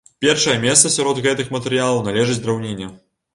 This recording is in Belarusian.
Першае месца сярод гэтых матэрыялаў належыць драўніне.